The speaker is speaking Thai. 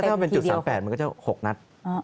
ถ้าบรรจุ๓๘มันก็จะ๖นัด